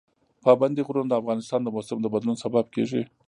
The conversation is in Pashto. پابندي غرونه د افغانستان د موسم د بدلون سبب کېږي.